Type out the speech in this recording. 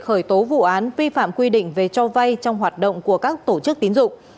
khởi tố vụ án vi phạm quy định về cho vay trong hoạt động của các tổ chức tín dụng